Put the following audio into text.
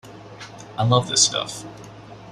I love this stuff.